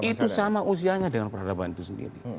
itu sama usianya dengan peradaban itu sendiri